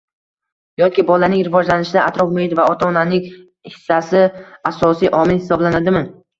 yoki bolaning rivojlanishida atrof-muhit va ota-onaning hissasi asosiy omil hisoblanadimi?